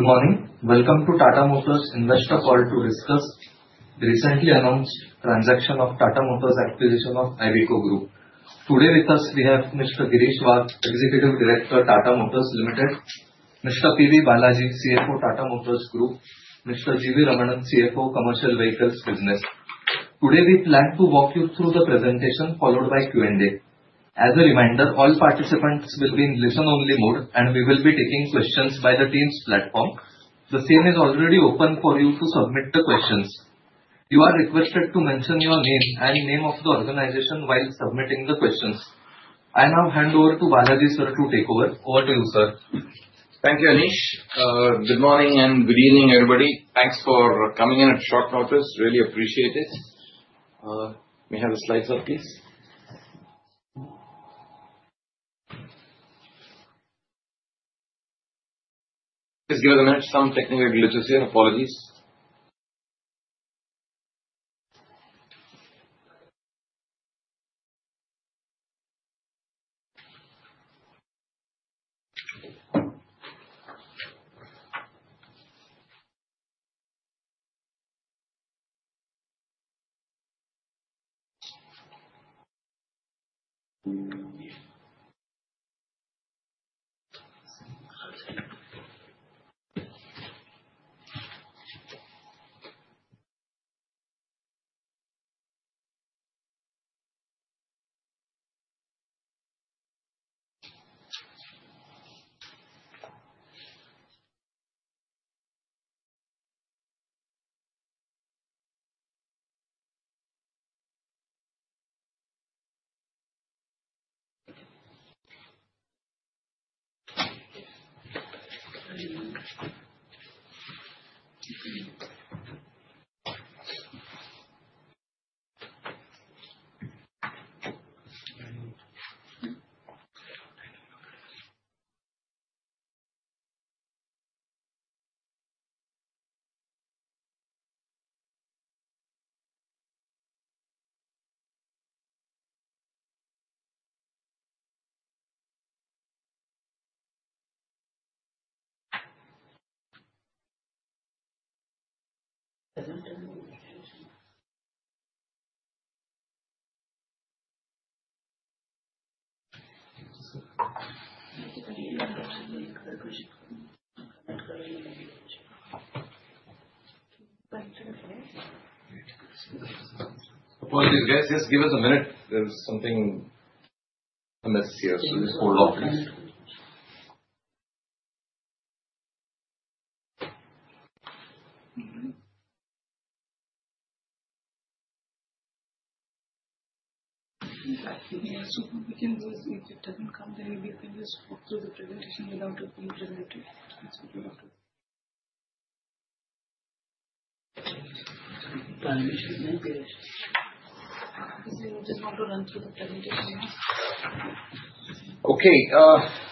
Good morning. Welcome to Tata Motors Investor Call to discuss the recently announced transaction of Tata Motors Acquisition of Iveco Group. Today with us, we have Mr. Girish Wagh, Executive Director, Tata Motors Limited, Mr. P.B. Balaji, Chief Financial Officer, Tata Motors Group, and Mr. G.V. Ramanan, Chief Financial Officer, Commercial Vehicles Business. Today we plan to walk you through the presentation followed by Q&A. As a reminder, all participants will be in listen-only mode, and we will be taking questions by the Teams platform. The scene is already open for you to submit the questions. You are requested to mention your name and name of the organization while submitting the questions. I now hand over to Balaji sir to take over. Over to you, sir. Thank you, Anish. Good morning and good evening, everybody. Thanks for coming in at short notice. Really appreciate it. May I have the slides up, please? Please give us a minute. Some technical glitches here. Apologies. Apologies, guys. Just give us a minute. There's something, a message here, so just hold on, please. If it doesn't come, then maybe you can just walk through the presentation without being presented. I just want to run through the presentation now. Okay. Are they able to see the presentation?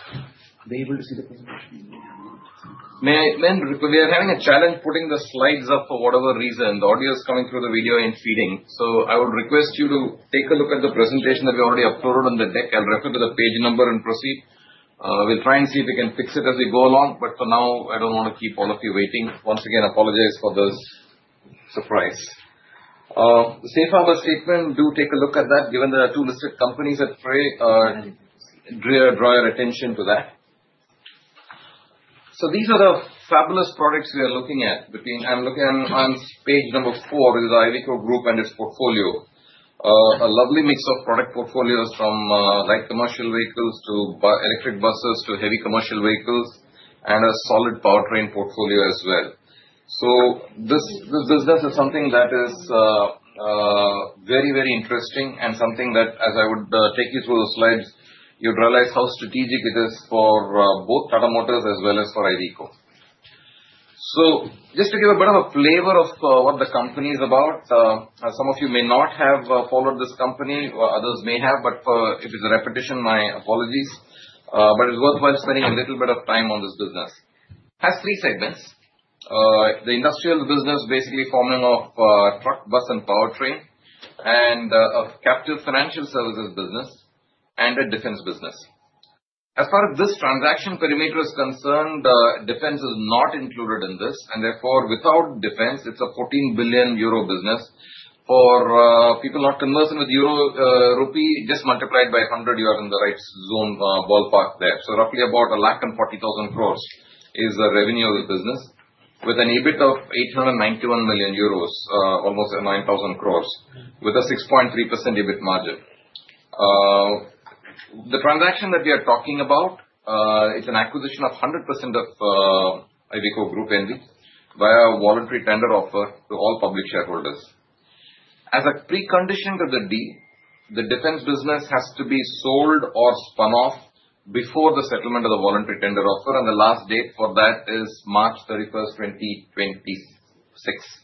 We are having a challenge putting the slides up for whatever reason. The audio is coming through the video and feeding. I would request you to take a look at the presentation that we already uploaded on the deck. I'll refer to the page number and proceed. We'll try and see if we can fix it as we go along. For now, I don't want to keep all of you waiting. Once again, apologies for those surprises. Save our statement. Do take a look at that, given there are two listed companies. Draw your attention to that. These are the fabulous products we are looking at. I'm looking on page number four, which is Iveco Group and its portfolio. A lovely mix of product portfolios from light commercial vehicles to electric buses to heavy commercial vehicles and a solid powertrain portfolio as well. This is something that is very, very interesting and something that, as I would take you through the slides, you'd realize how strategic it is for both Tata Motors as well as for Iveco. Just to give a bit of a flavor of what the company is about, some of you may not have followed this company. Others may have. If it's a repetition, my apologies. It's worthwhile spending a little bit of time on this business. It has three segments: the industrial business, basically forming of truck, bus, and powertrain, a captive financial services business, and a defense business. As far as this transaction perimeter is concerned, defense is not included in this. Therefore, without defense, it's a 14 billion euro business. For people not conversant with euro, rupee, just multiply by 100, you are in the right zone ballpark there. Roughly about 1,400,000 crore is the revenue of the business, with an EBIT of 891 million euros, almost 9,000 crore, with a 6.3% EBIT margin. The transaction that we are talking about is an acquisition of 100% of Iveco Group N.V. via a voluntary tender offer to all public shareholders. As a precondition to the deal, the defense business has to be sold or spun off before the settlement of the voluntary tender offer. The last date for that is March 31st, 2026.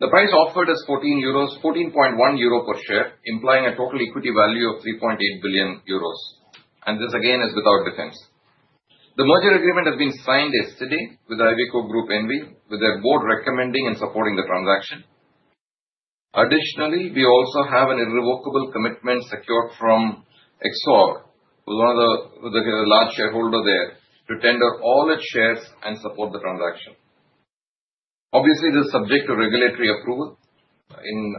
The price offered is 14.1 euro per share, implying a total equity value of 3.8 billion euros. This, again, is without defense. The merger agreement has been signed yesterday with Iveco Group N.V., with their board recommending and supporting the transaction. Additionally, we also have an irrevocable commitment secured from. Exor, who's one of the large shareholders there, to tender all its shares and support the transaction. Obviously, this is subject to regulatory approvals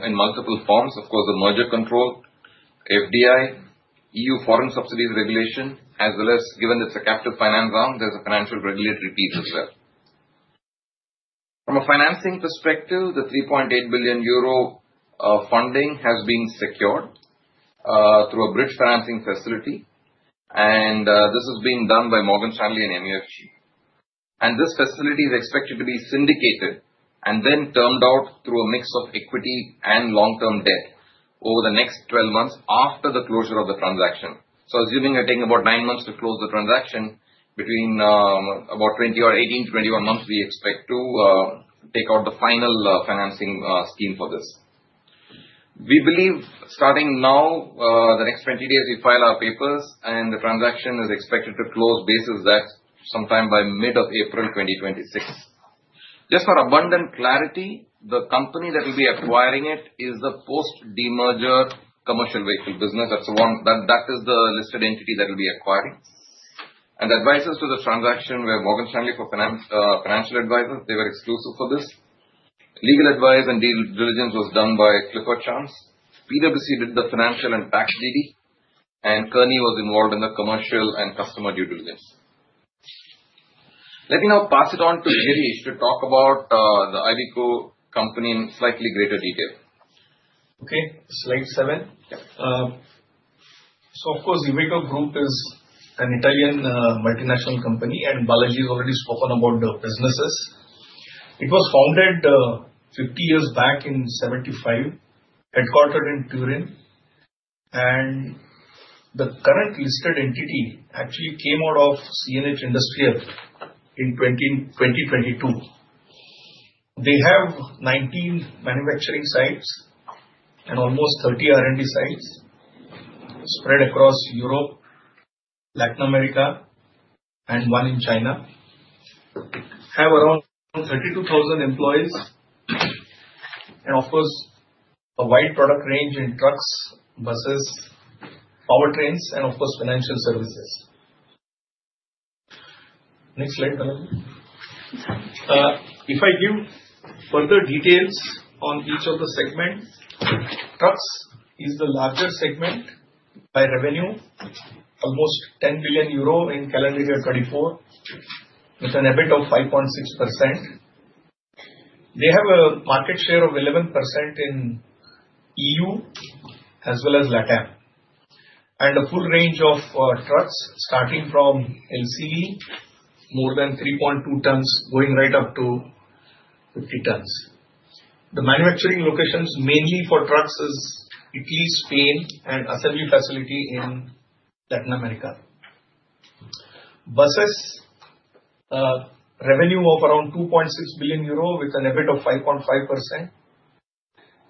in multiple forms. Of course, the merger control, FDI, EU Foreign Subsidies Regulation, as well as, given it's a captive finance arm, there's a financial regulatory piece as well. From a financing perspective, the 3.8 billion euro funding has been secured through a bridge facility, and this has been done by Morgan Stanley and MUFG. This facility is expected to be syndicated and then termed out through a mix of equity and long-term debt over the next 12 months after the closure of the transaction. Assuming we're taking about nine months to close the transaction, between about 18 months-21 months, we expect to take out the final financing scheme for this. We believe, starting now, the next 20 days, we file our papers, and the transaction is expected to close basis that sometime by mid of April 2026. Just for abundant clarity, the company that will be acquiring it is the post-demerger commercial vehicle business. That is the listed entity that will be acquiring. The advisors to the transaction were Morgan Stanley for financial advisors. They were exclusive for this. Legal advice and due diligence was done by Clifford Chance. PwC did the financial and tax due diligence, and Kearney was involved in the commercial and customer due diligence. Let me now pass it on to Girish Wagh to talk about the Iveco company in slightly greater detail. Okay. Slide 7. Of course, Iveco Group is an Italian multinational company, and Balaji has already spoken about the businesses. It was founded 50 years back in 1975, headquartered in Turin. The current listed entity actually came out of CNH Industrial in 2022. They have 19 manufacturing sites and almost 30 R&D sites spread across Europe, Latin America, and one in China. They have around 32,000 employees and a wide product range in trucks, buses, powertrains, and financial services. Next slide, Balaji. If I give further details on each of the segments, trucks is the larger segment by revenue, almost 10 billion euro in calendar year 2024, with an EBIT of 5.6%. They have a market share of 11% in the EU as well as LatAm, and the full range of trucks, starting from LCV, more than 3.2 tons, going right up to 50 tons. The manufacturing locations mainly for trucks are Italy, Spain, and an assembly facility in Latin America. Buses have revenue of around 2.6 billion euro with an EBIT of 5.5%.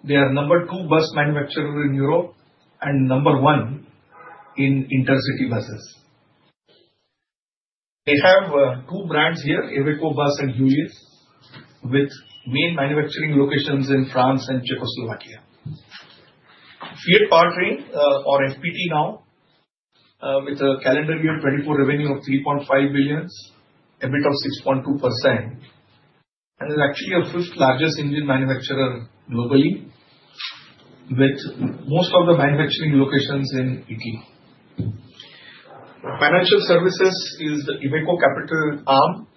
They are the number two bus manufacturer in Europe and number one in intercity buses. They have two brands here, Iveco Bus and Heuliez, with main manufacturing locations in France and Czechoslovakia. Fiat Powertrain, or FPT, now with a calendar year 2024 revenue of 3.5 billion, EBIT of 6.2%, is actually the fifth-largest engine manufacturer globally, with most of the manufacturing locations in Italy. Financial services is the Iveco Capital arm,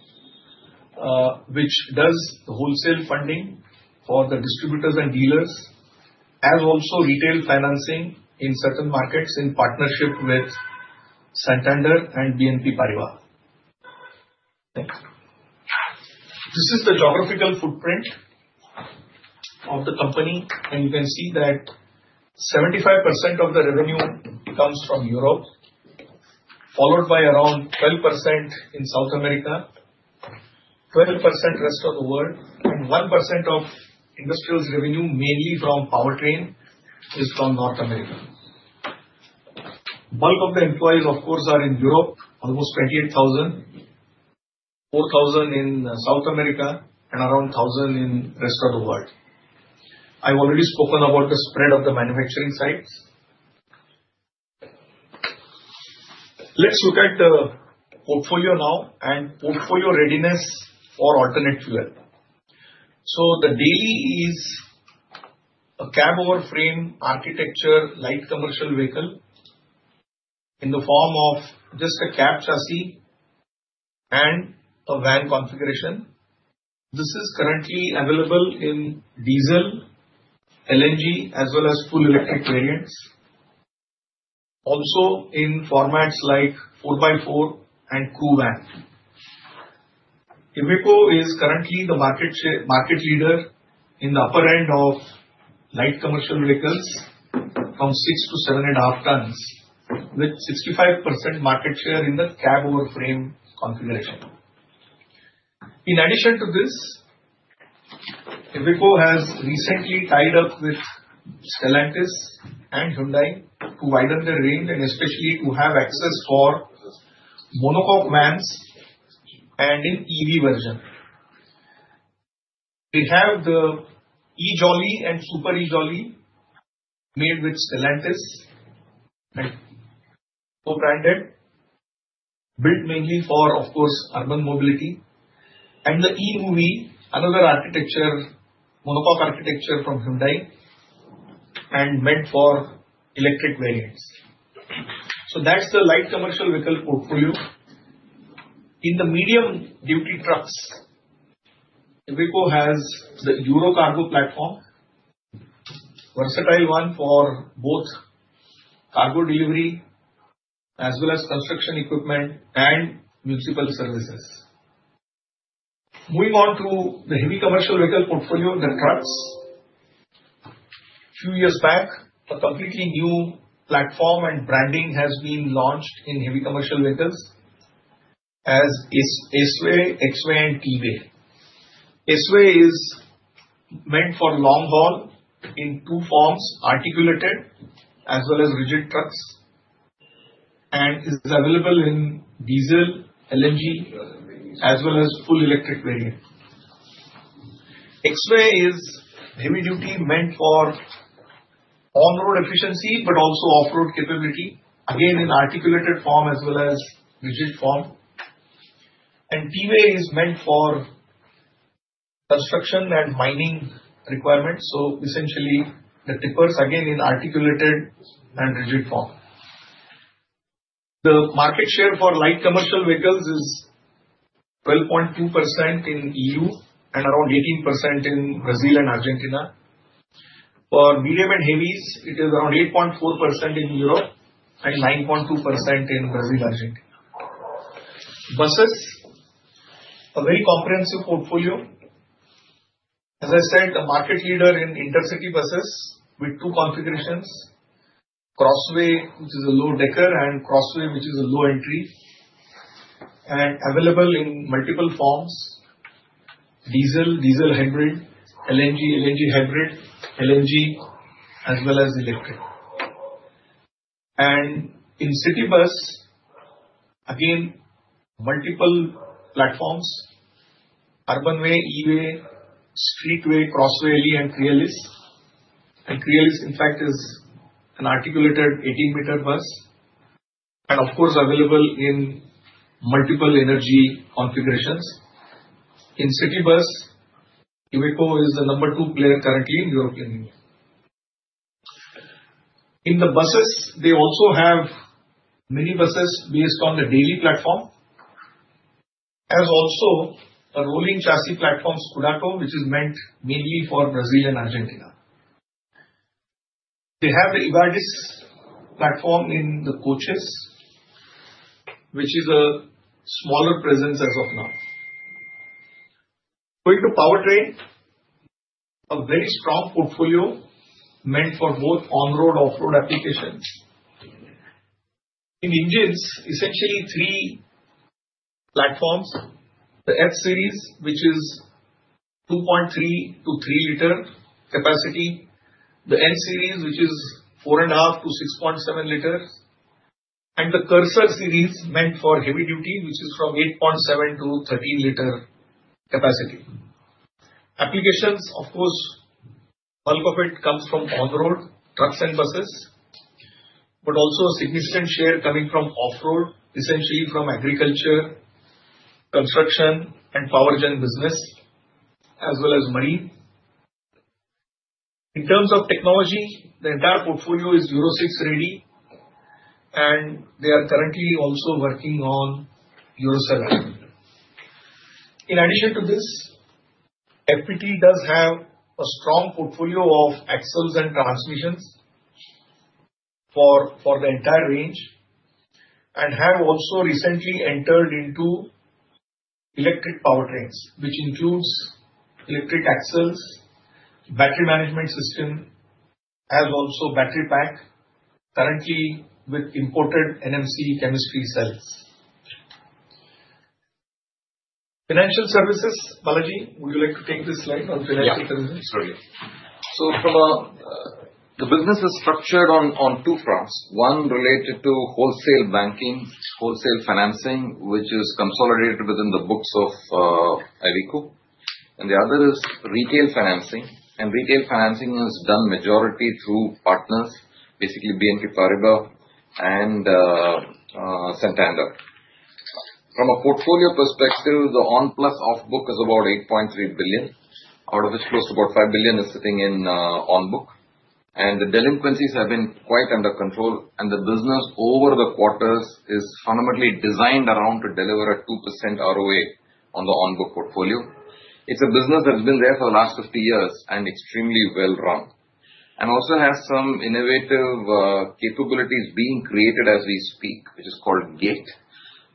which does wholesale funding for the distributors and dealers, as also retail financing in certain markets in partnership with Santander and BNP Paribas. This is the geographical footprint of the company, and you can see that 75% of the revenue comes from Europe, followed by around 12% in South America, 12% rest of the world, and 1% of industrial revenue, mainly from powertrain, is from North America. Bulk of the employees are in Europe, almost 28,000, 4,000 in South America, and around 1,000 in the rest of the world. I've already spoken about the spread of the manufacturing sites. Let's look at the portfolio now and portfolio readiness for alternate fuel. The Daily is a cab-over frame architecture light commercial vehicle in the form of just a cab chassis and a van configuration. This is currently available in diesel, LNG, as well as full electric variants, also in formats like 4x4 and crew van. Iveco is currently the market leader in the upper end of light commercial vehicles from 6 tons-7.5 tons, with 65% market share in the cab-over frame configuration. In addition to this, Iveco has recently tied up with Stellantis and Hyundai to widen their range and especially to have access for monocoque vans. In the EV version, they have the eJolly and Super eJolly, made with Stellantis and co-branded, built mainly for urban mobility. The e-Moovy, another architecture, monocoque architecture from Hyundai, is meant for electric variants. That's the light commercial vehicle portfolio. In the medium duty trucks, Iveco has the Eurocargo platform, a versatile one for both cargo delivery as well as construction equipment and municipal services. Moving on to the heavy commercial vehicle portfolio, the trucks, a few years back, a completely new platform and branding has been launched in heavy commercial vehicles as S-Way, X-Way, and T-Way. S-Way is meant for long-haul in two forms, articulated as well as rigid trucks, and is available in diesel, LNG, as well as full electric variant. X-Way is heavy duty, meant for on-road efficiency but also off-road capability, again in articulated form as well as rigid form. T-Way is meant for construction and mining requirements, so essentially, the tippers, again, in articulated and rigid form. The market share for light commercial vehicles is 12.2% in the EU and around 18% in Brazil and Argentina. For medium and heavies, it is around 8.4% in Europe and 9.2% in Brazil, Argentina. Buses, a very comprehensive portfolio. As I said, a market leader in intercity buses with two configurations: Crossway, which is a low decker, and Crossway, which is a low entry, and available in multiple forms—diesel, diesel hybrid, LNG, LNG hybrid, as well as electric. In Citybus, again, multiple platforms: Urbanway, E-Way, Streetway, Crossway LE, and Crealis. Crealis, in fact, is an articulated 18-meter bus and, of course, available in multiple energy configurations. In Citybus, Iveco is the number two player currently in the European Union. In the buses, they also have mini buses based on the Daily platform, as also a rolling chassis platform, Scudato, which is meant mainly for Brazil and Argentina. They have the Evadys platform in the coaches, which is a smaller presence as of now. Going to powertrain, a very strong portfolio meant for both on-road and off-road applications. In engines, essentially three platforms: the F Series, which is 2.3-liter-3-liter capacity, the N Series, which is 4.5 liters-6.7 liters, and the Cursor Series, meant for heavy duty, which is from 8.7-liter-13-liter capacity. Applications, of course, bulk of it comes from on-road trucks and buses, but also a significant share coming from off-road, essentially from agriculture, construction, and power gen business, as well as marine. In terms of technology, the entire portfolio is EURO VI ready, and they are currently also working on EURO VII. In addition to this, FPT does have a strong portfolio of axles and transmissions for the entire range, and have also recently entered into electric powertrains, which includes electric axles, battery management system, as also battery pack, currently with imported NMC chemistry cells. Financial services, Balaji, would you like to take this slide on financial services? Absolutely. The business is structured on two fronts: one related to wholesale banking, wholesale financing, which is consolidated within the books of Iveco, and the other is retail financing. Retail financing is done majority through partners, basically BNP Paribas and Santander. From a portfolio perspective, the on-plus off-book is about 8.3 billion, out of which close to about 5 billion is sitting in on-book. The delinquencies have been quite under control. The business, over the quarters, is fundamentally designed around to deliver a 2% ROA on the on-book portfolio. It's a business that has been there for the last 50 years and extremely well-run. It also has some innovative capabilities being created as we speak, which is called GATE,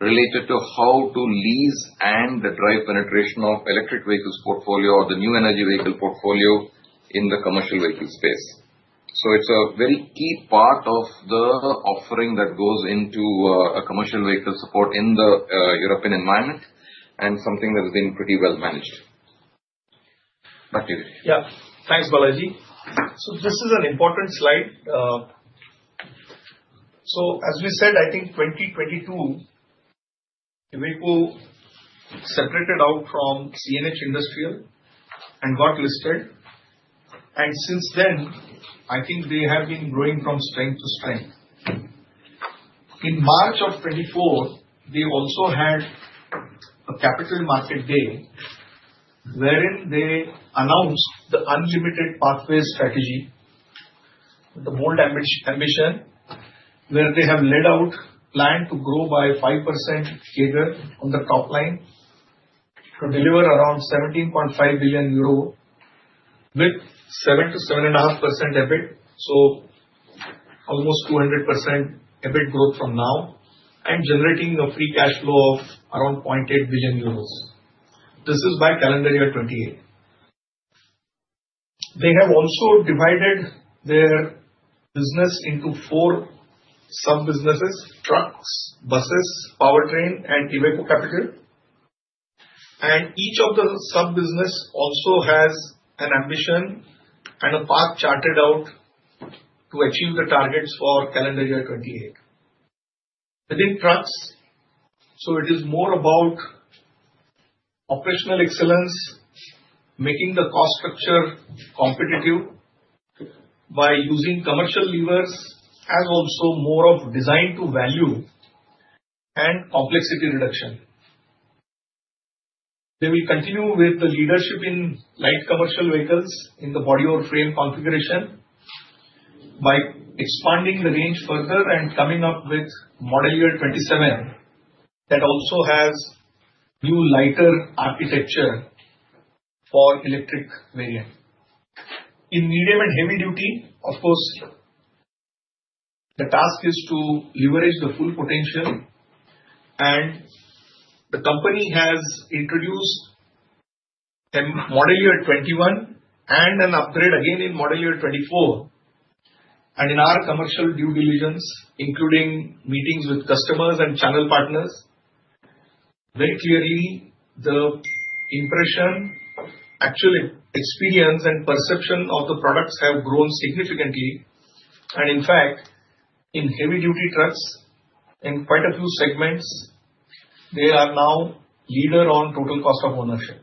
related to how to lease and drive penetration of electric vehicles portfolio or the new energy vehicle portfolio in the commercial vehicle space. It's a very key part of the offering that goes into a commercial vehicle support in the European environment and something that has been pretty well managed. Back to you, Girish. Yeah. Thanks, Balaji. This is an important slide. As we said, I think 2022, Iveco separated out from CNH Industrial and got listed. Since then, I think they have been growing from strength to strength. In March of 2024, they also had a capital market day wherein they announced the Unlimited Pathway strategy, the bold ambition, where they have laid out a plan to grow by 5% CAGR on the top line to deliver around 17.5 billion euro with 7%-7.5% EBIT. Almost 200% EBIT growth from now and generating a free cash flow of around 800 million euros. This is by calendar year 2028. They have also divided their business into four sub-businesses: trucks, buses, powertrain, and Iveco Capital. Each of the sub-businesses also has an ambition and a path charted out to achieve the targets for calendar year 2028. Within trucks, it is more about operational excellence, making the cost structure competitive by using commercial levers, as also more of design to value and complexity reduction. They will continue with the leadership in light commercial vehicles in the body or frame configuration by expanding the range further and coming up with model year 2027 that also has new lighter architecture for electric variant. In medium and heavy duty, the task is to leverage the full potential. The company has introduced model year 2021 and an upgrade again in model year 2024. In our commercial due diligence, including meetings with customers and channel partners, very clearly, the impression, actual experience, and perception of the products have grown significantly. In fact, in heavy-duty trucks, in quite a few segments, they are now leader on total cost of ownership.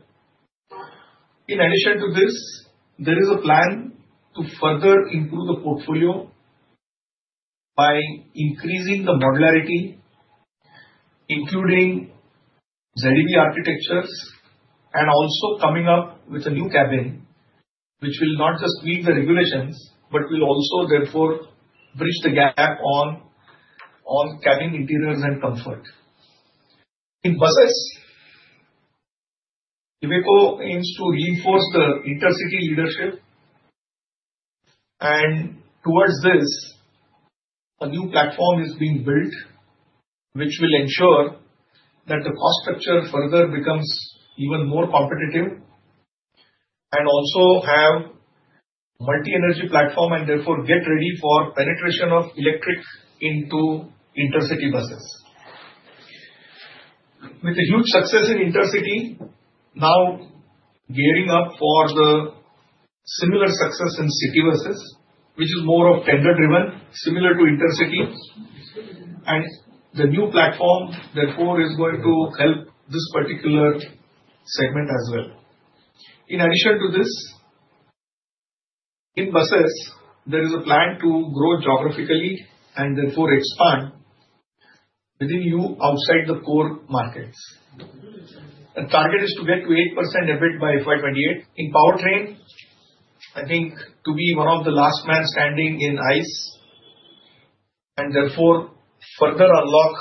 In addition to this, there is a plan to further improve the portfolio by increasing the modularity, including ZEV architectures, and also coming up with a new cabin, which will not just meet the regulations, but will also therefore bridge the gap on cabin interiors and comfort. In buses, Iveco aims to reinforce the intercity leadership. Towards this, a new platform is being built, which will ensure that the cost structure further becomes even more competitive and also have multi-energy platform and therefore get ready for penetration of electric into intercity buses. With the huge success in intercity, now gearing up for the similar success in Citybuses, which is more of tender-driven, similar to intercity. The new platform, therefore, is going to help this particular segment as well. In addition to this, in buses, there is a plan to grow geographically and therefore expand within, outside the core markets. The target is to get to 8% EBIT by FY 2028. In powertrain, I think to be one of the last men standing in ICE and therefore further unlock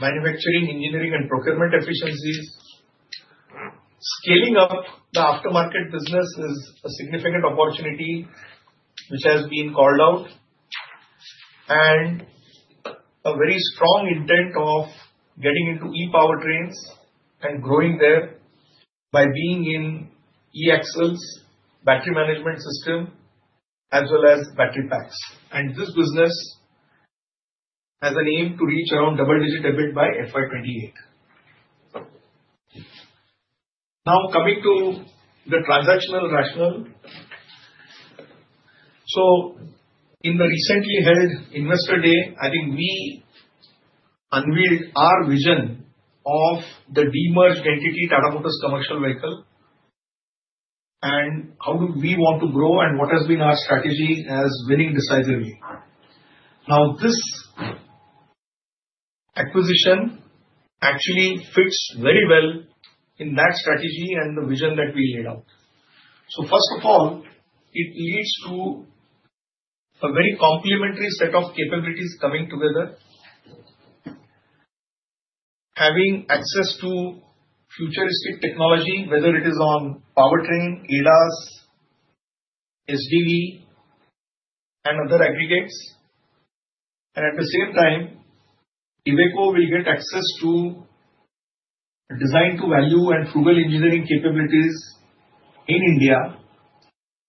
manufacturing, engineering, and procurement efficiencies. Scaling up the aftermarket business is a significant opportunity which has been called out. There is a very strong intent of getting into e-powertrains and growing there by being in e-axles, battery management system, as well as battery packs. This business has an aim to reach around double-digit EBIT by FY 2028. Now coming to the transactional rationale. In the recently held Investor Day, we unveiled our vision of the demerged entity, Tata Motors Commercial Vehicle, and how we want to grow and what has been our strategy has been decisively. This acquisition actually fits very well in that strategy and the vision that we laid out. First of all, it leads to a very complementary set of capabilities coming together, having access to futuristic technology, whether it is on powertrain, ADAS, SDV, and other aggregates. At the same time, Iveco will get access to design to value and frugal engineering capabilities in India.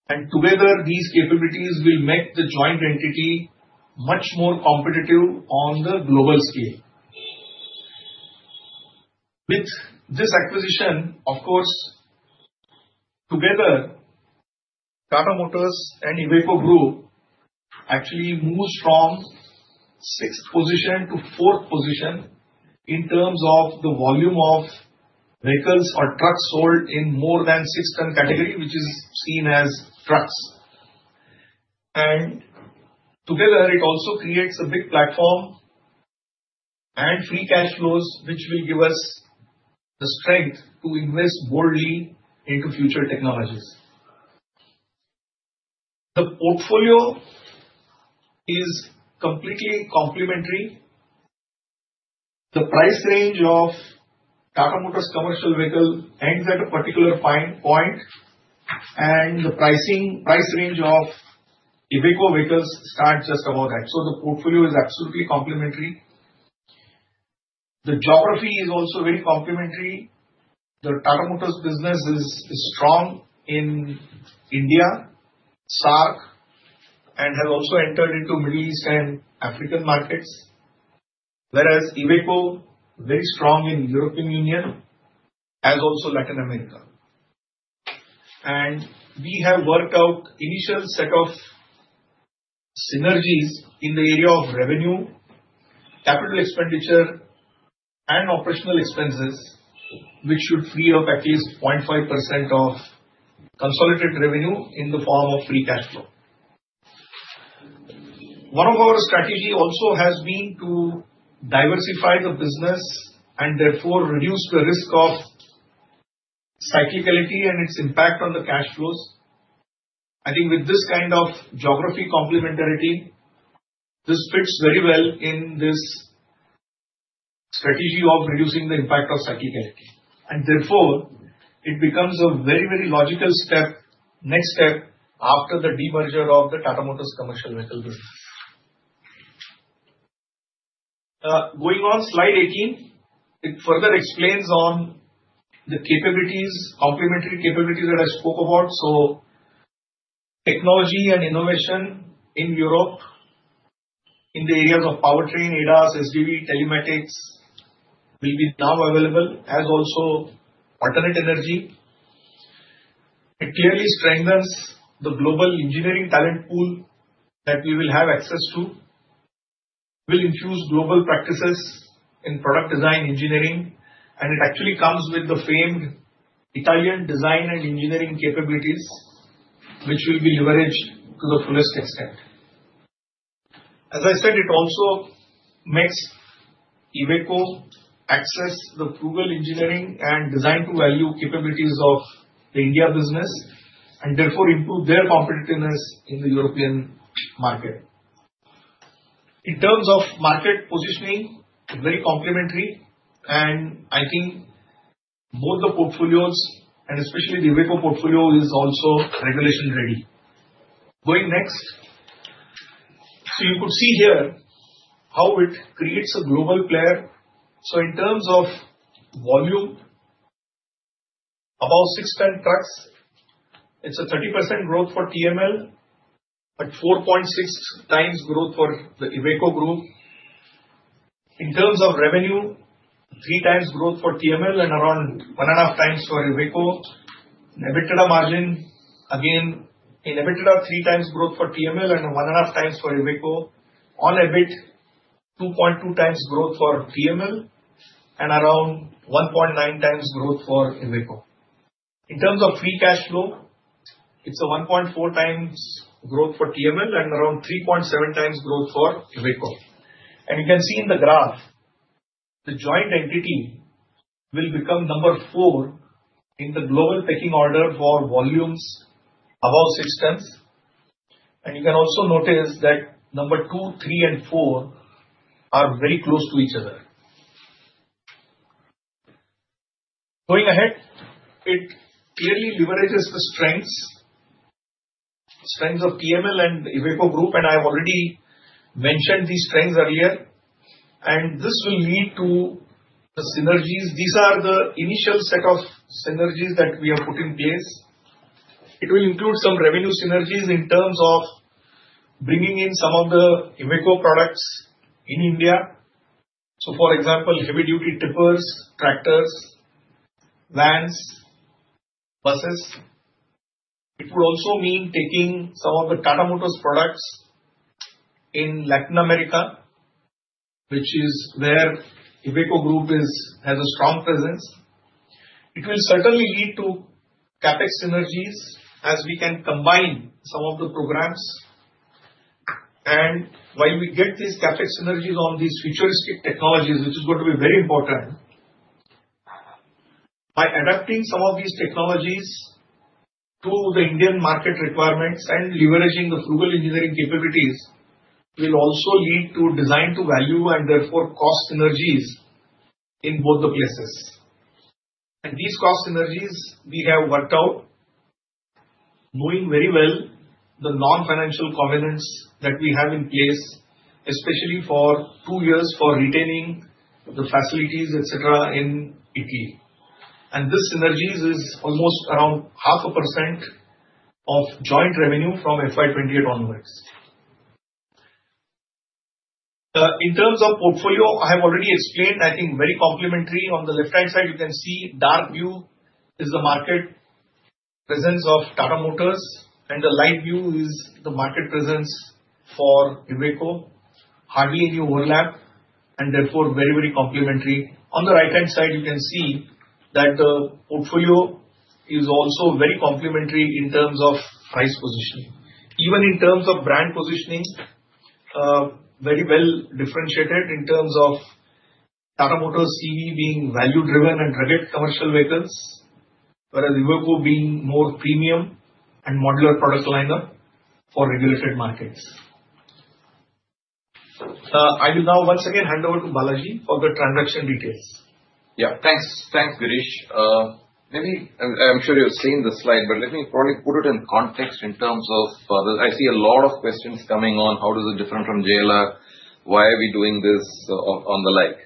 Together, these capabilities will make the joint entity much more competitive on the global scale. With this acquisition, Tata Motors and Iveco Group actually move from sixth position to fourth position in terms of the volume of vehicles or trucks sold in more than 6-ton category, which is seen as trucks. Together, it also creates a big platform and free cash flows, which will give us the strength to invest boldly into future technologies. The portfolio is completely complementary. The price range of Tata Motors Commercial Vehicle ends at a particular point, and the price range of Iveco vehicles starts just above that, so the portfolio is absolutely complementary. The geography is also very complementary. The Tata Motors business is strong in India, SAARC, and has also entered into Middle East and African markets, whereas Iveco is very strong in European Union as also Latin America. We have worked out an initial set of synergies in the area of revenue, capital expenditure, and operational expenses, which should free up at least 0.5% of. Consolidated revenue in the form of free cash flow. One of our strategies also has been to diversify the business and therefore reduce the risk of cyclicality and its impact on the cash flows. I think with this kind of geography complementarity, this fits very well in this strategy of reducing the impact of cyclicality. Therefore, it becomes a very, very logical next step after the demerger of the Tata Motors Commercial Vehicle business. Going on slide 18, it further explains the complementary capabilities that I spoke about. Technology and innovation in Europe in the areas of powertrain, ADAS, SDV, telematics will be now available as also alternate energy. It clearly strengthens the global engineering talent pool that we will have access to and will infuse global practices in product design engineering. It actually comes with the famed Italian design and engineering capabilities, which will be leveraged to the fullest extent. As I said, it also makes Iveco access the frugal engineering and design to value capabilities of the India business and therefore improve their competitiveness in the European market. In terms of market positioning, very complementary. I think both the portfolios and especially the Iveco portfolio is also regulation-ready. Going next, you could see here how it creates a global player. In terms of volume, about 6-ton trucks, it's a 30% growth for TML, at 4.6x growth for the Iveco Group. In terms of revenue, 3x growth for TML and around 1.5x for Iveco. In EBITDA margin, again, in EBITDA, 3x growth for TML and 1.5x Iveco. On EBIT, 2.2x growth for TML and around 1.9x for Iveco. In terms of free cash flow, it's a 1.4x growth for TML and around 3.7x growth for Iveco. You can see in the graph, the joint entity will become number four in the global pecking order for volumes above 6 tons. You can also notice that number two, three, and four are very close to each other. Going ahead, it clearly leverages the strengths of TML and Iveco Group. I have already mentioned these strengths earlier. This will lead to the synergies. These are the initial set of synergies that we have put in place. It will include some revenue synergies in terms of bringing in some of the Iveco products in India. For example, heavy-duty tippers, tractors, vans, buses. It would also mean taking some of the Tata Motors products in Latin America, which is where Iveco Group has a strong presence. It will certainly lead to CapEx synergies as we can combine some of the programs. While we get these CapEx synergies on these futuristic technologies, which is going to be very important, by adapting some of these technologies to the Indian market requirements and leveraging the frugal engineering capabilities, it will also lead to design to value and therefore cost synergies in both the places. These cost synergies, we have worked out, knowing very well the non-financial covenants that we have in place, especially for two years for retaining the facilities, etc., in Italy. This synergy is almost around 0.5% of joint revenue from FY 2028 onwards. In terms of portfolio, I have already explained, I think very complementary. On the left-hand side, you can see dark blue is the market presence of Tata Motors, and the light blue is the market presence for Iveco. Hardly any overlap, and therefore very, very complementary. On the right-hand side, you can see that the portfolio is also very complementary in terms of price positioning, even in terms of brand positioning. Very well differentiated in terms of Tata Motors CV being value-driven and rugged commercial vehicles, whereas Iveco being more premium and modular product lineup for regulated markets. I will now once again hand over to Balaji for the transaction details. Yeah, thanks. Thanks, Girish. Maybe I'm sure you've seen the slide, but let me probably put it in context in terms of I see a lot of questions coming on how does it differ from JLR, why are we doing this, and the like.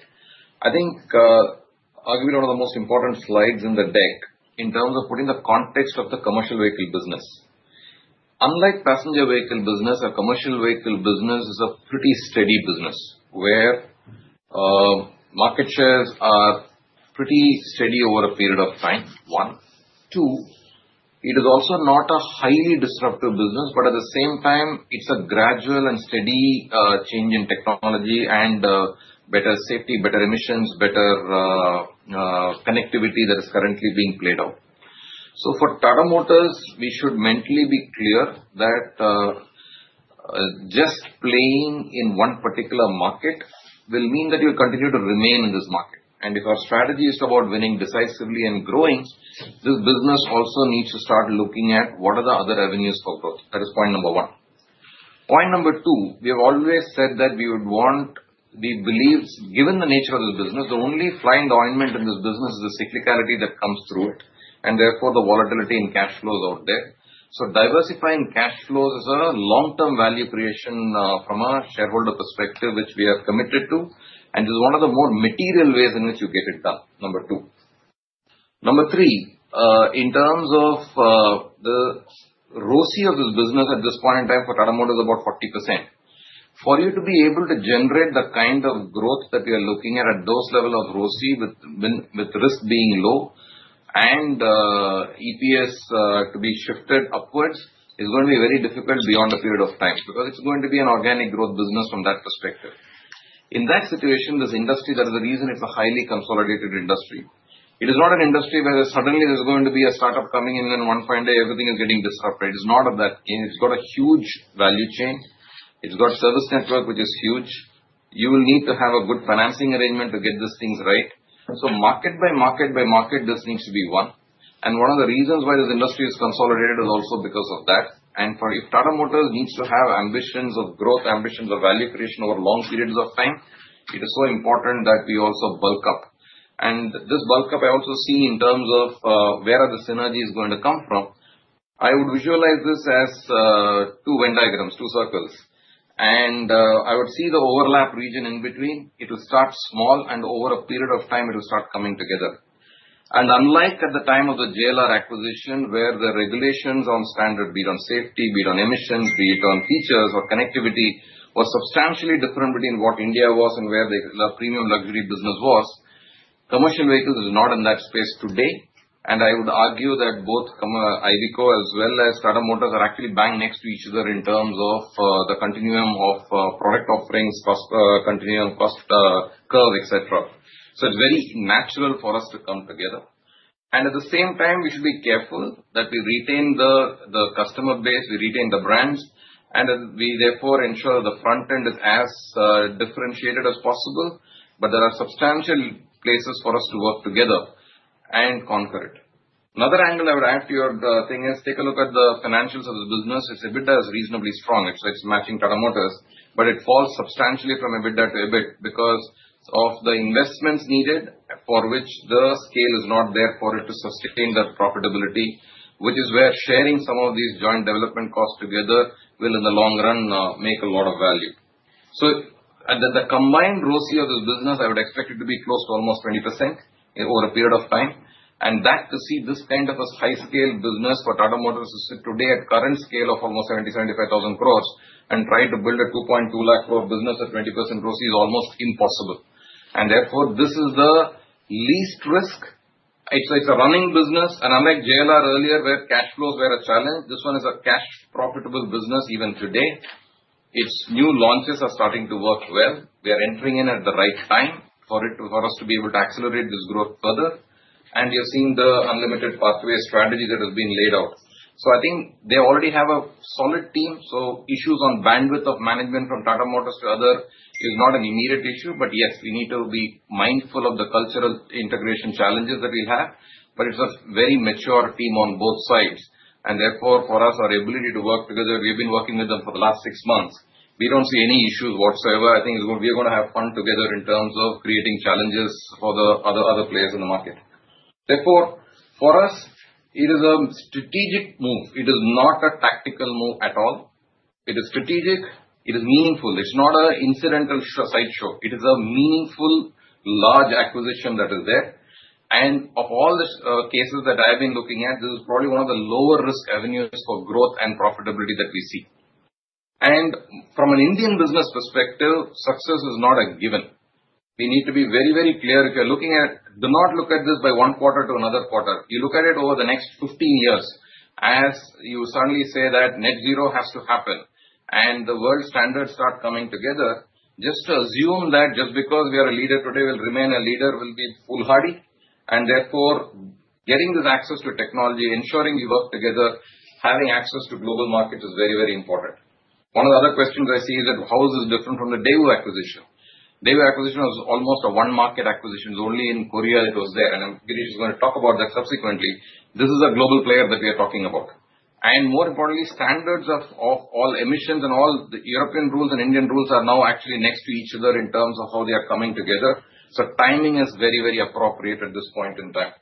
I think arguably one of the most important slides in the deck in terms of putting the context of the commercial vehicle business. Unlike passenger vehicle business, a commercial vehicle business is a pretty steady business where market shares are pretty steady over a period of time. One, two, it is also not a highly disruptive business, but at the same time, it's a gradual and steady change in technology and better safety, better emissions, better connectivity that is currently being played out. For Tata Motors, we should mentally be clear that just playing in one particular market will mean that you'll continue to remain in this market. If our strategy is about winning decisively and growing, this business also needs to start looking at what are the other avenues for growth. That is point number one. Point number two, we have always said that we would want the beliefs, given the nature of this business, the only fly in the ointment in this business is the cyclicality that comes through it, and therefore the volatility in cash flows out there. Diversifying cash flows is a long-term value creation from a shareholder perspective, which we have committed to, and is one of the more material ways in which you get it done. Number two. Number three, in terms of the ROSI of this business at this point in time for Tata Motors is about 40%. For you to be able to generate the kind of growth that you're looking at at those levels of ROSI with risk being low and EPS to be shifted upwards is going to be very difficult beyond a period of time because it's going to be an organic growth business from that perspective. In that situation, this industry, that is the reason it's a highly consolidated industry. It is not an industry where suddenly there's going to be a startup coming in, and one fine day, everything is getting disrupted. It's not of that. It's got a huge value chain. It's got a service network, which is huge. You will need to have a good financing arrangement to get these things right. Market by market by market, this needs to be one. One of the reasons why this industry is consolidated is also because of that. If Tata Motors needs to have ambitions of growth, ambitions of value creation over long periods of time, it is so important that we also bulk up. This bulk up, I also see in terms of where are the synergies going to come from. I would visualize this as two Venn diagrams, two circles. I would see the overlap region in between. It will start small, and over a period of time, it will start coming together. Unlike at the time of the JLR acquisition, where the regulations on standard beyond safety, beyond emissions, beyond features, or connectivity were substantially different between what India was and where the premium luxury business was, commercial vehicles are not in that space today. I would argue that both Iveco as well as Tata Motors are actually bang next to each other in terms of the continuum of product offerings, continuum cost curve, etc. It is very natural for us to come together. At the same time, we should be careful that we retain the customer base, we retain the brands, and we therefore ensure the front end is as differentiated as possible. There are substantial places for us to work together and conquer it. Another angle I would add to your thing is take a look at the financials of the business. Its EBITDA is reasonably strong. It's matching Tata Motors, but it falls substantially from EBITDA to EBIT because of the investments needed for which the scale is not there for it to sustain the profitability, which is where sharing some of these joint development costs together will, in the long run, make a lot of value. The combined ROSI of this business, I would expect it to be close to almost 20% over a period of time. To see this kind of a high-scale business for Tata Motors today at current scale of almost 70,000 crore-75,000 crore and try to build a 2.2 lakh crore business at 20% ROSI is almost impossible. Therefore, this is the least risk. It's a running business. Unlike JLR earlier, where cash flows were a challenge, this one is a cash-profitable business even today. Its new launches are starting to work well. We are entering in at the right time for us to be able to accelerate this growth further. You're seeing the unlimited pathway strategy that has been laid out. I think they already have a solid team. Issues on bandwidth of management from Tata Motors to other is not an immediate issue. We need to be mindful of the cultural integration challenges that we'll have. It's a very mature team on both sides. Therefore, for us, our ability to work together, we've been working with them for the last six months. We don't see any issues whatsoever. I think we're going to have fun together in terms of creating challenges for the other players in the market. For us, it is a strategic move. It is not a tactical move at all. It is strategic. It is meaningful. It's not an incidental sideshow. It is a meaningful, large acquisition that is there. Of all the cases that I've been looking at, this is probably one of the lower-risk avenues for growth and profitability that we see. From an Indian business perspective, success is not a given. We need to be very, very clear. If you're looking at, do not look at this by one quarter to another quarter. You look at it over the next 15 years as you suddenly say that net zero has to happen and the world standards start coming together. Just to assume that just because we are a leader today will remain a leader will be foolhardy. Therefore, getting this access to technology, ensuring we work together, having access to global market is very, very important. One of the other questions I see is how is this different from the Daewoo acquisition? Daewoo acquisition was almost a one-market acquisition. It's only in Korea it was there. Girish is going to talk about that subsequently. This is a global player that we are talking about. More importantly, standards of all emissions and all the European rules and Indian rules are now actually next to each other in terms of how they are coming together. The timing is very, very appropriate at this point in time.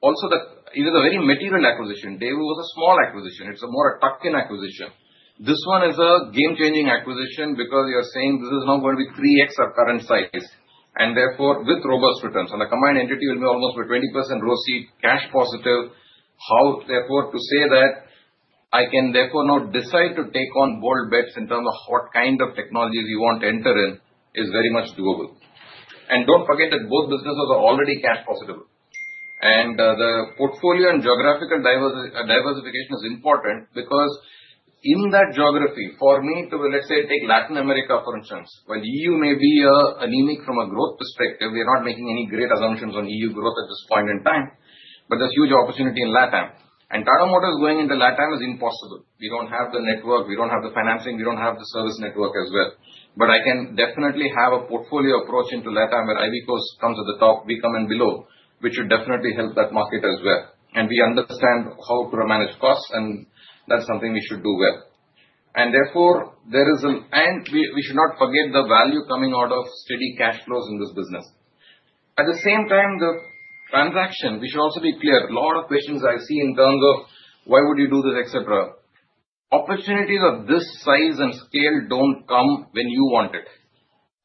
Also, it is a very material acquisition. Daewoo was a small acquisition. It's more a tuck-in acquisition. This one is a game-changing acquisition because you're saying this is now going to be 3x of current size and therefore with robust returns. The combined entity will be almost 20% ROSI, cash-positive. How therefore to say that I can now decide to take on bold bets in terms of what kind of technologies you want to enter in is very much doable. Don't forget that both businesses are already cash-positive. The portfolio and geographical diversification is important because in that geography, for me to, let's say, take Latin America for instance, while EU may be anemic from a growth perspective, we are not making any great assumptions on EU growth at this point in time. There's huge opportunity in LatAm. Tata Motors going into LatAm is impossible. We don't have the network. We don't have the financing. We don't have the service network as well. I can definitely have a portfolio approach into LatAm where Iveco comes at the top, we come in below, which should definitely help that market as well. We understand how to manage costs, and that's something we should do well. Therefore, we should not forget the value coming out of steady cash flows in this business. At the same time, the transaction, we should also be clear. A lot of questions I see in terms of why would you do this, etc. Opportunities of this size and scale don't come when you want it.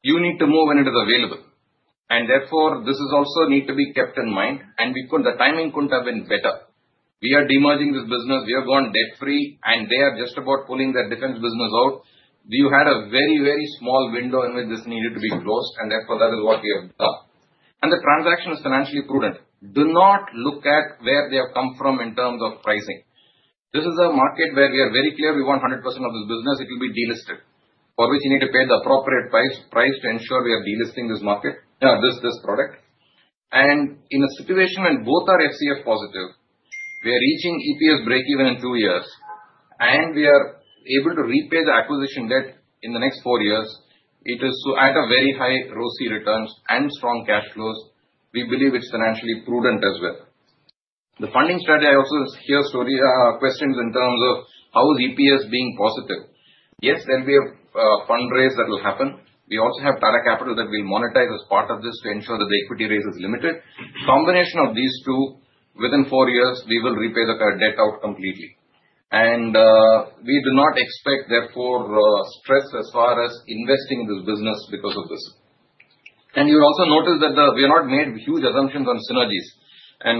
You need to move when it is available. This also needs to be kept in mind. The timing couldn't have been better. We are demerging this business. We have gone debt-free, and they are just about pulling their defense business out. You had a very, very small window in which this needed to be closed, and therefore, that is what we have done. The transaction is financially prudent. Do not look at where they have come from in terms of pricing. This is a market where we are very clear we want 100% of this business. It will be delisted, for which you need to pay the appropriate price to ensure we are delisting this product. In a situation when both are free cash flow positive, we are reaching EPS break-even in two years, and we are able to repay the acquisition debt in the next four years. It is at a very high ROSI returns and strong cash flows. We believe it's financially prudent as well. The funding strategy, I also hear questions in terms of how is EPS being positive. Yes, there will be a fundraise that will happen. We also have Tata Capital that we'll monetize as part of this to ensure that the equity raise is limited. Combination of these two, within four years, we will repay the debt out completely. We do not expect, therefore, stress as far as investing in this business because of this. You'll also notice that we have not made huge assumptions on synergies.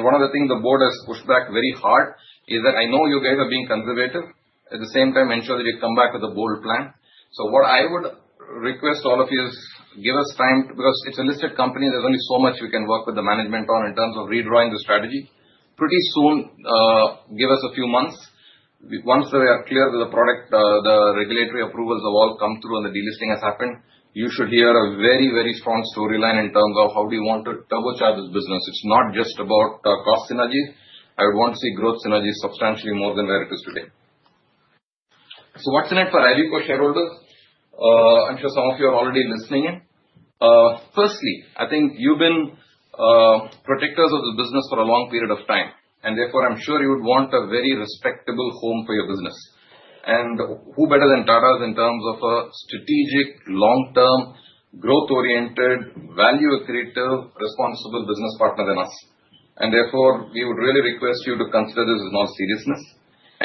One of the things the board has pushed back very hard is that I know you guys are being conservative. At the same time, ensure that you come back with a bold plan. What I would request all of you is give us time because it's a listed company. There's only so much we can work with the management on in terms of redrawing the strategy. Pretty soon, give us a few months. Once we are clear that the product, the regulatory approvals have all come through and the delisting has happened, you should hear a very, very strong storyline in terms of how you want to turbocharge this business. It's not just about cost synergies. I would want to see growth synergies substantially more than where it is today. What's in it for Iveco shareholders? I'm sure some of you are already listening in. Firstly, I think you've been protectors of the business for a long period of time. Therefore, I'm sure you would want a very respectable home for your business. Who better than Tata is in terms of a strategic, long-term, growth-oriented, value-accretive, responsible business partner than us. We would really request you to consider this in all seriousness.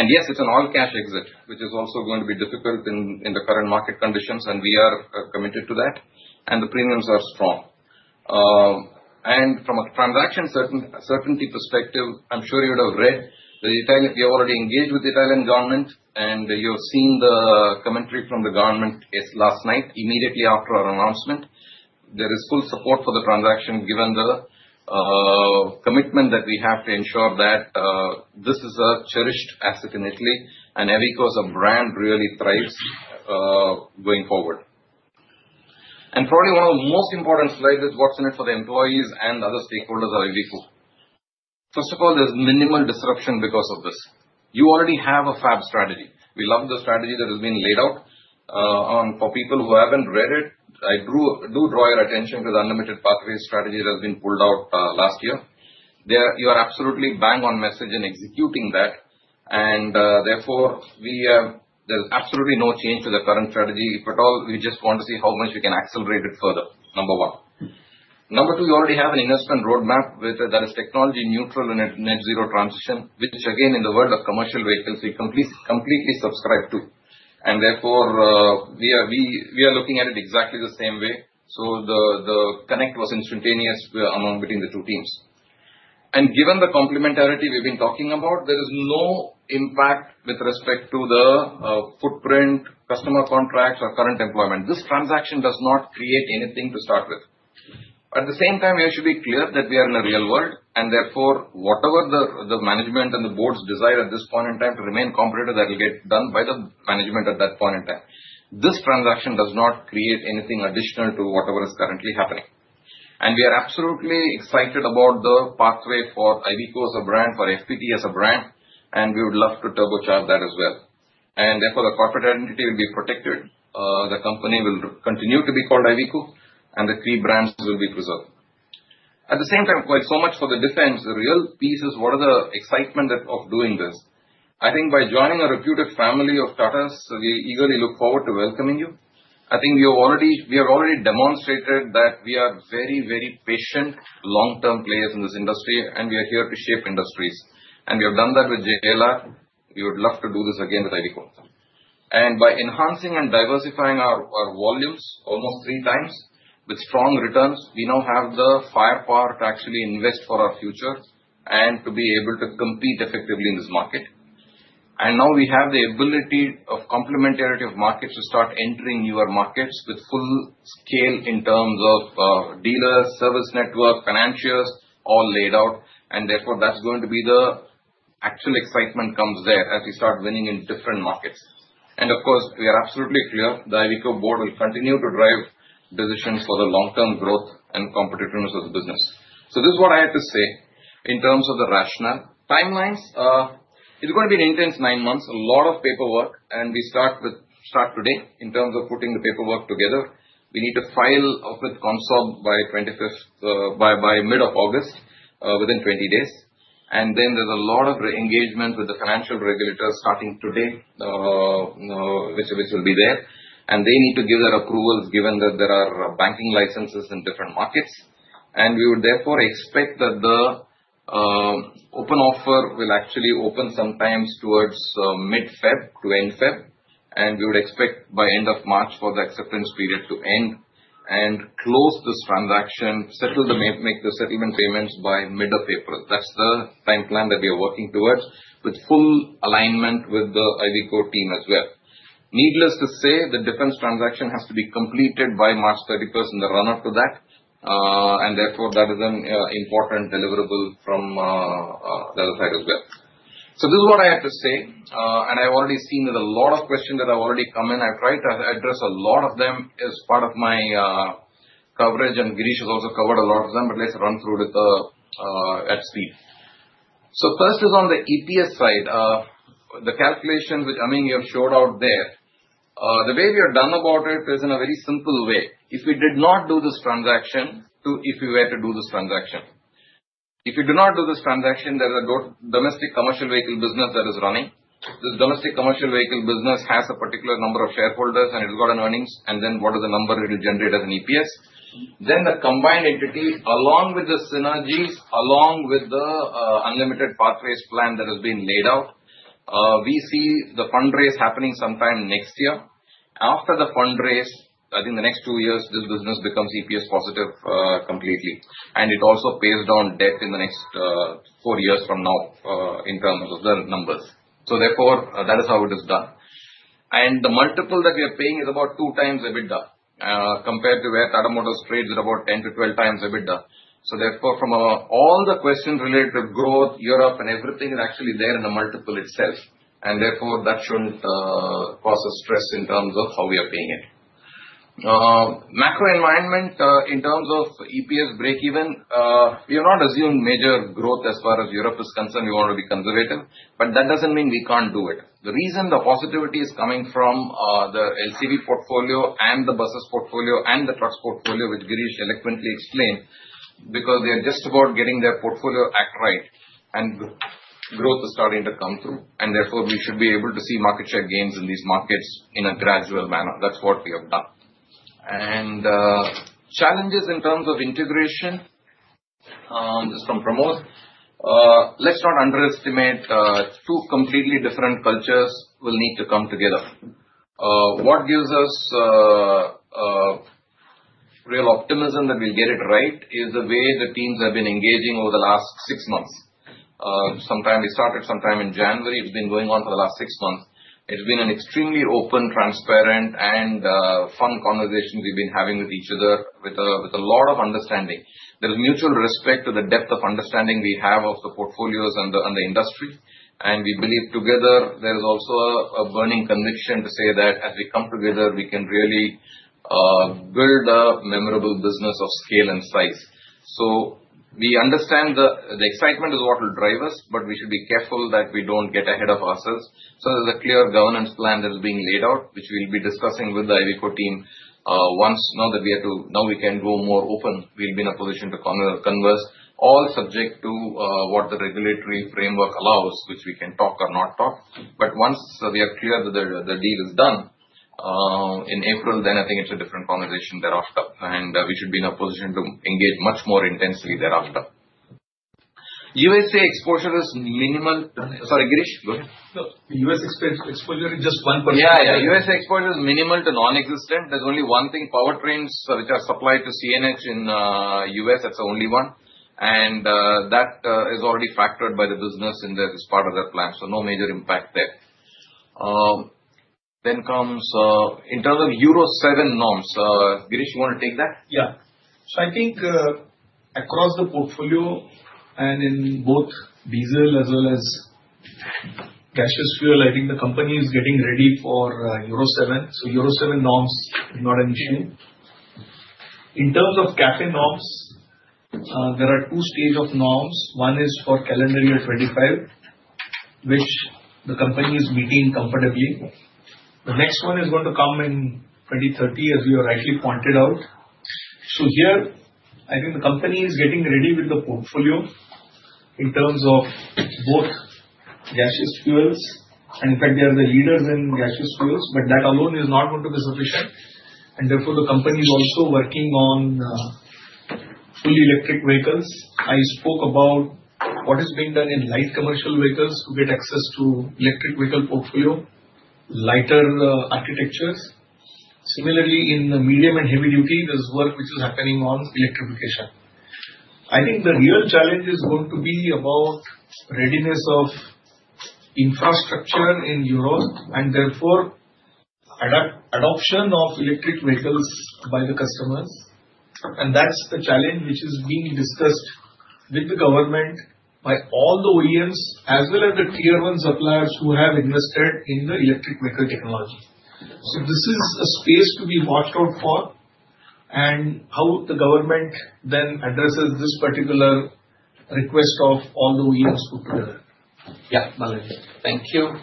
Yes, it's an all-cash exit, which is also going to be difficult in the current market conditions, and we are committed to that. The premiums are strong. From a transaction certainty perspective, I'm sure you would have read that we have already engaged with the Italian government, and you have seen the commentary from the government last night immediately after our announcement. There is full support for the transaction given the commitment that we have to ensure that this is a cherished asset in Italy, and Iveco's brand really thrives going forward. Probably one of the most important slides is what's in it for the employees and other stakeholders of Iveco. First of all, there's minimal disruption because of this. You already have a fab strategy. We love the strategy that has been laid out. For people who haven't read it, I do draw your attention to the unlimited pathway strategy that has been pulled out last year. You are absolutely bang on message in executing that. Therefore, there's absolutely no change to the current strategy. If at all, we just want to see how much we can accelerate it further, number one. Number two, you already have an investment roadmap that is technology-neutral and net-zero transition, which, again, in the world of commercial vehicles, we completely subscribe to. Therefore, we are looking at it exactly the same way. The connect was instantaneous between the two teams. Given the complementarity we've been talking about, there is no impact with respect to the footprint, customer contracts, or current employment. This transaction does not create anything to start with. At the same time, we have to be clear that we are in a real world, and whatever the management and the board's desire at this point in time to remain competitive, that will get done by the management at that point in time. This transaction does not create anything additional to whatever is currently happening. We are absolutely excited about the pathway for Iveco as a brand, for FPT as a brand, and we would love to turbocharge that as well. Therefore, the corporate identity will be protected. The company will continue to be called Iveco, and the three brands will be preserved. At the same time, so much for the defense. The real piece is what are the excitement of doing this. I think by joining a reputed family of Tatas, we eagerly look forward to welcoming you. I think we have already demonstrated that we are very, very patient, long-term players in this industry, and we are here to shape industries. We have done that with JLR. We would love to do this again with Iveco. By enhancing and diversifying our volumes almost 3x with strong returns, we now have the firepower to actually invest for our future and to be able to compete effectively in this market. We now have the ability of complementarity of markets to start entering newer markets with full scale in terms of dealers, service network, financials, all laid out. That is going to be the actual excitement that comes there as we start winning in different markets. We are absolutely clear the Iveco board will continue to drive decisions for the long-term growth and competitiveness of the business. This is what I had to say in terms of the rationale. Timelines, it's going to be an intense nine months, a lot of paperwork, and we start today in terms of putting the paperwork together. We need to file with CONSOB by mid of August, within 20 days. There is a lot of engagement with the financial regulators starting today, which will be there. They need to give their approvals given that there are banking licenses in different markets. We would therefore expect that the open offer will actually open sometime towards mid-February to end-February. We would expect by end of March for the acceptance period to end and close this transaction, make the settlement payments by mid of April. That's the timeline that we are working towards with full alignment with the Iveco team as well. Needless to say, the defense transaction has to be completed by March 31 st in the run-up to that. That is an important deliverable from the other side as well. This is what I had to say. I've already seen that a lot of questions have already come in. I've tried to address a lot of them as part of my coverage, and Girish has also covered a lot of them, but let's run through it at speed. First is on the EPS side. The calculations which Aminee have showed out there, the way we have done about it is in a very simple way. If we did not do this transaction, to if we were to do this transaction. If you do not do this transaction, there is a domestic commercial vehicle business that is running. This domestic commercial vehicle business has a particular number of shareholders, and it's got an earnings. Then what is the number it will generate as an EPS? Then the combined entity, along with the synergies, along with the unlimited pathways plan that has been laid out. We see the fundraise happening sometime next year. After the fundraise, I think the next two years, this business becomes EPS positive completely. It also pays down debt in the next four years from now in terms of the numbers. Therefore, that is how it is done. The multiple that we are paying is about 2x EBITDA compared to where Tata Motors trades at about 10x-12x EBITDA. Therefore, from all the questions related to growth, Europe, and everything, it is actually there in the multiple itself. That shouldn't cause us stress in terms of how we are paying it. Macro environment in terms of EPS break-even, we have not assumed major growth as far as Europe is concerned. We want to be conservative, but that doesn't mean we can't do it. The reason the positivity is coming from the LCV portfolio and the buses portfolio and the trucks portfolio, which Girish eloquently explained, is because they are just about getting their portfolio act right and growth is starting to come through. Therefore, we should be able to see market share gains in these markets in a gradual manner. That's what we have done. Challenges in terms of integration, this is from Promote. Let's not underestimate. Two completely different cultures will need to come together. What gives us real optimism that we'll get it right is the way the teams have been engaging over the last six months. Sometime we started, sometime in January. It's been going on for the last six months. It's been an extremely open, transparent, and fun conversation we've been having with each other with a lot of understanding. There is mutual respect to the depth of understanding we have of the portfolios and the industry. We believe together, there is also a burning conviction to say that as we come together, we can really build a memorable business of scale and size. We understand the excitement is what will drive us, but we should be careful that we don't get ahead of ourselves. There's a clear governance plan that is being laid out, which we'll be discussing with the Iveco team. Now that we can go more open, we'll be in a position to converse, all subject to what the regulatory framework allows, which we can talk or not talk. Once we are clear that the deal is done in April, then I think it's a different conversation thereafter. We should be in a position to engage much more intensely thereafter. U.S.A. exposure is minimal. Sorry, Girish, go ahead. The U.S. exposure is just 1%. Yeah, yeah. U.S.A. exposure is minimal to nonexistent. There's only one thing, powertrains which are supplied to CNH in U.S. That's the only one, and that is already factored by the business in that it's part of their plan. No major impact there. In terms of EURO VII norms, Girish, you want to take that? Yeah. I think across the portfolio and in both diesel as well as gaseous fuel, the company is getting ready for EURO VII. EURO VII norms is not an issue. In terms of CAFE norms, there are two stages of norms. One is for calendar year 2025, which the company is meeting comfortably. The next one is going to come in 2030, as you rightly pointed out. Here, I think the company is getting ready with the portfolio in terms of both gaseous fuels. In fact, they are the leaders in gaseous fuels, but that alone is not going to be sufficient, and therefore, the company is also working on fully electric vehicles. I spoke about what is being done in light commercial vehicles to get access to electric vehicle portfolio, lighter architectures. Similarly, in medium and heavy duty, there's work which is happening on electrification. I think the real challenge is going to be about readiness of infrastructure in Europe and therefore adoption of electric vehicles by the customers. That's the challenge which is being discussed with the government by all the OEMs as well as the tier one suppliers who have invested in the electric vehicle technology. This is a space to be watched out for and how the government then addresses this particular request of all the OEMs put together. Yeah, balance. Thank you.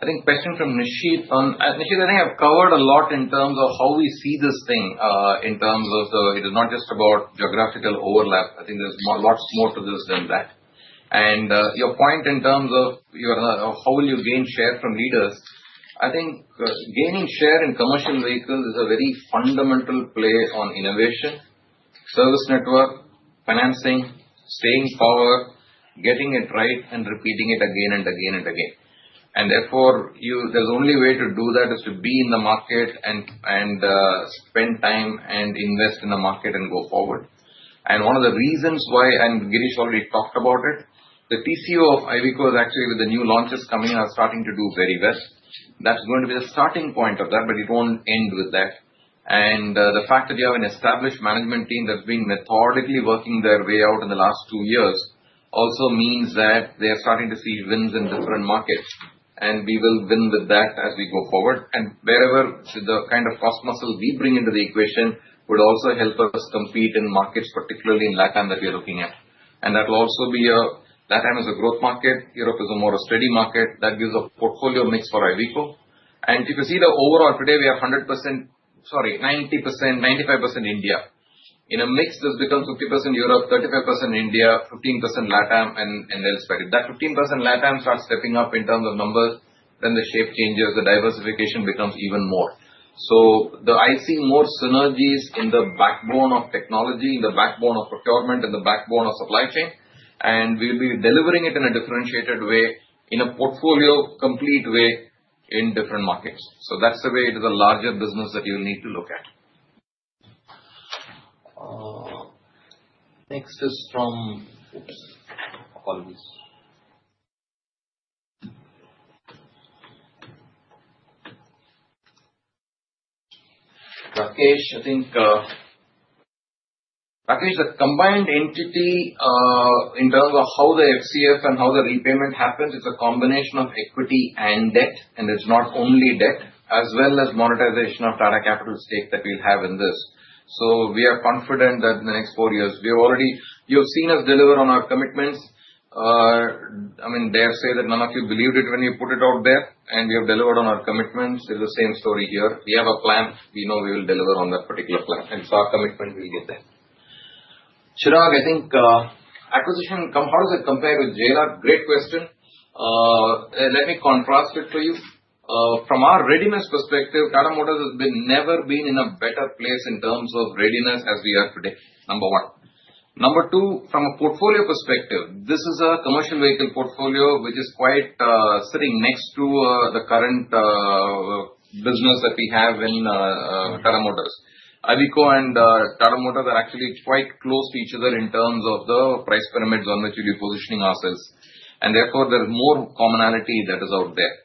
I think question from Nishit. Nishit, I think I've covered a lot in terms of how we see this thing in terms of it is not just about geographical overlap. There's lots more to this than that. Your point in terms of how will you gain share from leaders, I think gaining share in commercial vehicles is a very fundamental play on innovation, service network, financing, staying power, getting it right, and repeating it again and again and again. Therefore, the only way to do that is to be in the market, spend time and invest in the market, and go forward. One of the reasons why, and Girish already talked about it, the TCO of Iveco is actually with the new launches coming out, starting to do very well. That's going to be the starting point of that, but it won't end with that. The fact that you have an established management team that's been methodically working their way out in the last two years also means that they are starting to see wins in different markets. We will win with that as we go forward. Wherever the kind of cross-muscle we bring into the equation would also help us compete in markets, particularly in LatAm that we are looking at. That will also be a LatAm is a growth market. Europe is a more steady market. That gives a portfolio mix for Iveco. If you see the overall today, we have 100%, sorry, 90%, 95% India. In a mix, this becomes 50% Europe, 35% India, 15% LatAm, and elsewhere. If that 15% LatAm starts stepping up in terms of numbers, then the shape changes. The diversification becomes even more. I see more synergies in the backbone of technology, in the backbone of procurement, in the backbone of supply chain. We will be delivering it in a differentiated way, in a portfolio-complete way in different markets. That is the way it is a larger business that you'll need to look at. Next is from. Apologies. Rakesh, I think. Rakesh, the combined entity. In terms of how the free cash flow and how the repayment happens, it's a combination of equity and debt. It's not only debt as well as monetization of Tata Capital's stake that we'll have in this. We are confident that in the next four years, you have already seen us deliver on our commitments. I mean, dare say that none of you believed it when you put it out there. We have delivered on our commitments. It's the same story here. We have a plan. We know we will deliver on that particular plan. It's our commitment we'll get there. Chirag, I think acquisition, how does it compare with JLR? Great question. Let me contrast it for you. From our readiness perspective, Tata Motors has never been in a better place in terms of readiness as we are today. Number one. Number two, from a portfolio perspective, this is a commercial vehicle portfolio which is quite sitting next to the current business that we have in Tata Motors. Iveco and Tata Motors are actually quite close to each other in terms of the price pyramids on which we'll be positioning ourselves. Therefore, there's more commonality that is out there.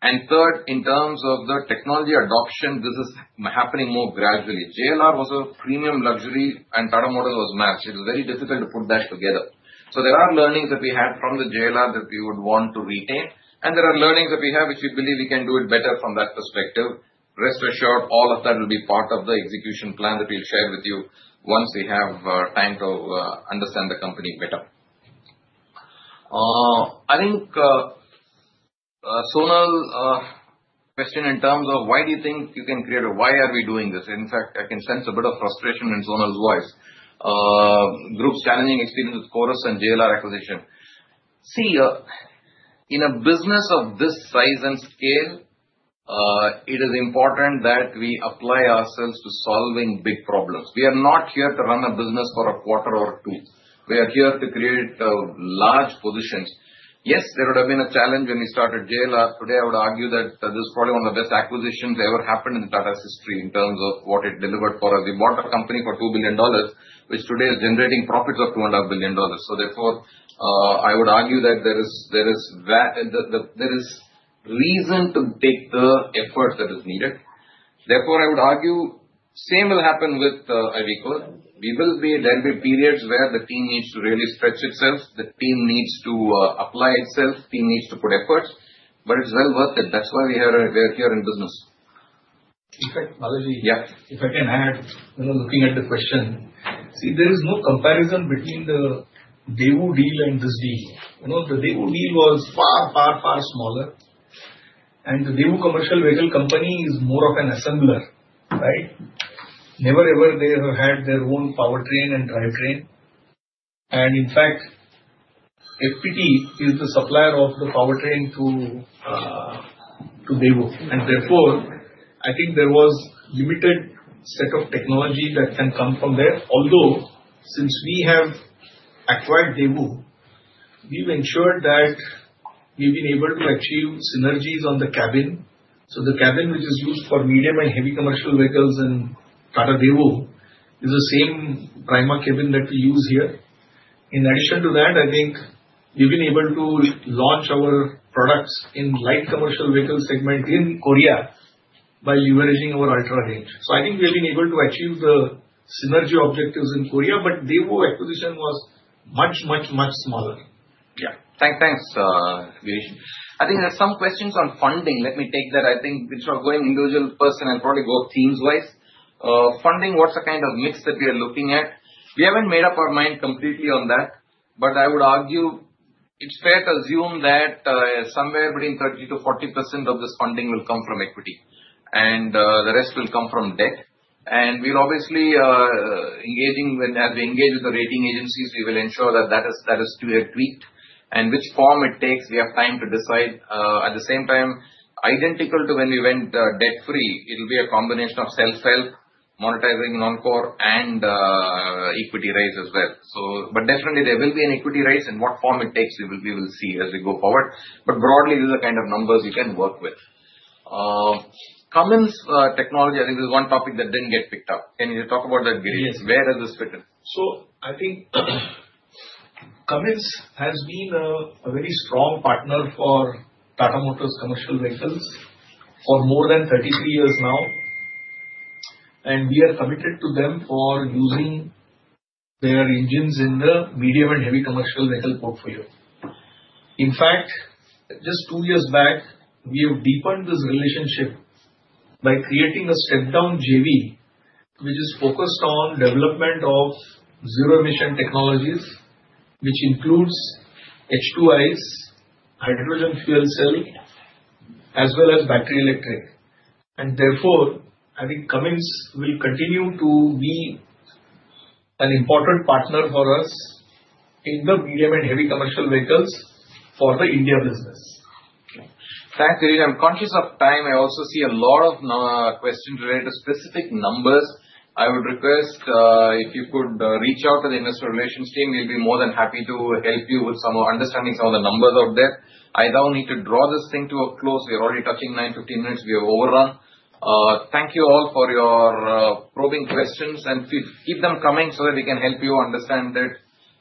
Third, in terms of the technology adoption, this is happening more gradually. JLR was a premium luxury, and Tata Motors was massive. It's very difficult to put that together. There are learnings that we had from JLR that we would want to retain. There are learnings that we have which we believe we can do better from that perspective. Rest assured, all of that will be part of the execution plan that we'll share with you once we have time to understand the company better. I think, Sonal, question in terms of why do you think you can create a why are we doing this? In fact, I can sense a bit of frustration in Sonal's voice. Group's challenging experience with Corus and JLR acquisition. In a business of this size and scale, it is important that we apply ourselves to solving big problems. We are not here to run a business for a quarter or two. We are here to create large positions. Yes, there would have been a challenge when we started JLR. Today, I would argue that this is probably one of the best acquisitions ever happened in Tata's history in terms of what it delivered for us. We bought a company for $2 billion, which today is generating profits of $200 billion. Therefore, I would argue that there is reason to take the effort that is needed. I would argue the same will happen with Iveco. There will be periods where the team needs to really stretch itself. The team needs to apply itself. The team needs to put effort. It's well worth it. That's why we are here in business. In fact, Balaji, if I can add, looking at the question, there is no comparison between the Daewoo deal and this deal. The Daewoo deal was far, far, far smaller. The Daewoo Commercial Vehicle Company is more of an assembler, right? Never ever have they had their own powertrain and drivetrain. In fact, FPT is the supplier of the powertrain to Daewoo. Therefore, I think there was a limited set of technology that can come from there. Although, since we have acquired Daewoo, we've ensured that we've been able to achieve synergies on the cabin. The cabin which is used for medium and heavy commercial vehicles in Tata Daewoo is the same Prima cabin that we use here. In addition to that, I think we've been able to launch our products in the light commercial vehicle segment in Korea by leveraging our ultra range. I think we have been able to achieve the synergy objectives in Korea, but Daewoo acquisition was much, much, much smaller. Thanks, Girish. I think there's some questions on funding. Let me take that. Instead of going individual person, I'll probably go themes-wise. Funding, what's the kind of mix that we are looking at? We haven't made up our mind completely on that. I would argue it's fair to assume that somewhere between 30%-40% of this funding will come from equity, and the rest will come from debt. We'll obviously engage with the rating agencies. We will ensure that that is tweaked, and which form it takes, we have time to decide. At the same time, identical to when we went debt-free, it will be a combination of self-help, monetizing non-core, and equity raise as well. Definitely, there will be an equity raise, and what form it takes, we will see as we go forward. Broadly, these are the kind of numbers we can work with. Cummins Technology, I think this is one topic that didn't get picked up. Can you talk about that, Girish? Where does this fit in? I think Cummins has been a very strong partner for Tata Motors Commercial Vehicle for more than 33 years now, and we are committed to them for using their engines in the medium and heavy commercial vehicle portfolio. In fact, just two years back, we have deepened this relationship by creating a step-down JV which is focused on development of zero-emission technologies, which includes H2Is, hydrogen fuel cells, as well as battery electric. Therefore, I think Cummins will continue to be an important partner for us in the medium and heavy commercial vehicles for the India business. Thanks, Girish. I'm conscious of time. I also see a lot of questions related to specific numbers. I would request if you could reach out to the investor relations team. We'll be more than happy to help you with understanding some of the numbers out there. I now need to draw this thing to a close. We are already touching 9:15 minutes. We have overrun. Thank you all for your probing questions, and please keep them coming so that we can help you understand it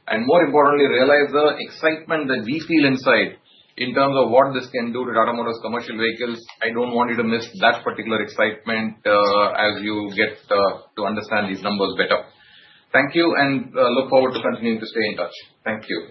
and, more importantly, realize the excitement that we feel inside in terms of what this can do to Tata Motors Commercial Vehicle. I don't want you to miss that particular excitement as you get to understand these numbers better. Thank you, and look forward to continuing to stay in touch. Thank you.